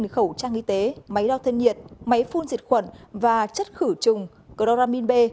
sáu khẩu trang y tế máy đo thân nhiệt máy phun diệt khuẩn và chất khử trùng cloramin b